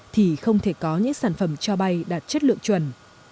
thì không thể có những sản phẩm cho bay đạt chất lượng chuẩn